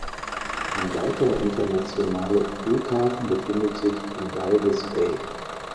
Ein weiterer internationale Flughafen befindet sich in Walvis Bay.